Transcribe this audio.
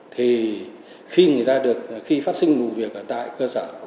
thì khi người ta được khi phát sinh vụ việc ở tại cơ sở